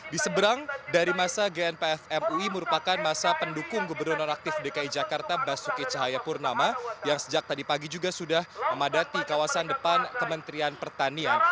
di seberang dari masa gnpf mui merupakan masa pendukung gubernur aktif dki jakarta basuki cahayapurnama yang sejak tadi pagi juga sudah memadati kawasan depan kementerian pertanian